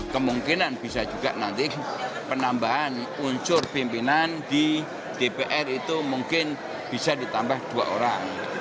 kemungkinan bisa juga nanti penambahan unsur pimpinan di dpr itu mungkin bisa ditambah dua orang